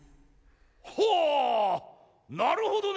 ほぉなるほどね！